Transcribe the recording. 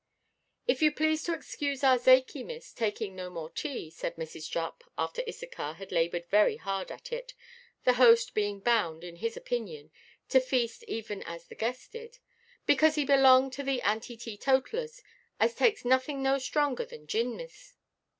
"If you please to excuse our Zakey, miss, taking no more tea," said Mrs. Jupp, after Issachar had laboured very hard at it, the host being bound, in his opinion, to feast even as the guest did; "because he belong to the antiteatotallers, as takes nothing no stronger than gin, miss."